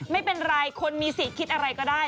ไม่เป็นไรคนมีสิทธิ์คิดอะไรก็ได้